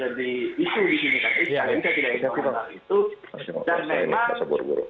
karena itu tidak ingin kita mengenal itu